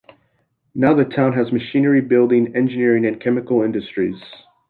Now the town has machinery-building, engineering, and chemical industries.